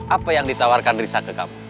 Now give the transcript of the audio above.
apa yang ditawarkan risa ke kamu